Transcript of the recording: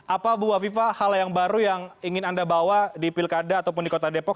apa bu afifah hal yang baru yang ingin anda bawa di pilkada ataupun di kota depok